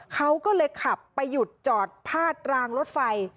เขาก็เลยขับไปหยุดจอดพาดรางรถไฟ